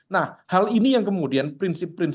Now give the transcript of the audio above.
nah hal ini yang kemudian prinsip prinsip